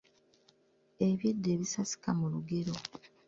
Eby'edda ebisasika mu lugero.